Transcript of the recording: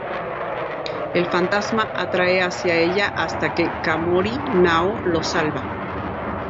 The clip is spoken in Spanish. El fantasma atrae hacia ella hasta que Komori Nao lo salva.